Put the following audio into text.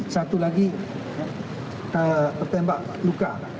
satu lagi pertembak luka